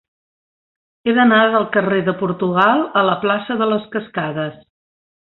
He d'anar del carrer de Portugal a la plaça de les Cascades.